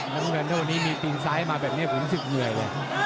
แล้วทุกคนเท่านี้มีตีนซ้ายมาแบบนี้ผมรู้สึกเหนื่อยเลย